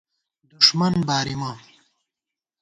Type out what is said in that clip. دُݭمن بارِمہ